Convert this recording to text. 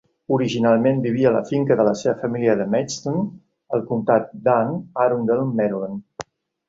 Originalment vivia a la finca de la seva família de Maidstone al comtat d'Anne Arundel, Maryland.